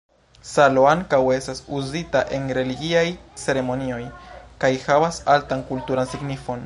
Salo ankaŭ estas uzita en religiaj ceremonioj kaj havas altan kulturan signifon.